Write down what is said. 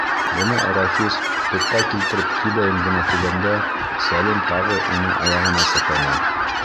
Бына Рәфис тупҡа килтереп тибәйем генә тигәндә, Сәлим тағы уның аяғына сәпәне.